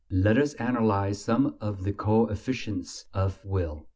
Let us analyze some of the co efficients of will.